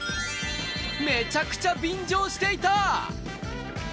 めちゃくちゃ便乗していた！